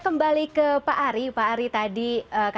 terutama tadi ya untuk